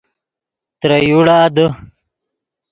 ترے یوڑا دے